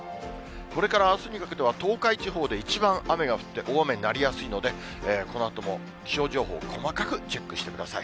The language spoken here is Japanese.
これからあすにかけては、東海地方で一番雨が降って、大雨になりやすいので、このあとも気象情報を細かくチェックしてください。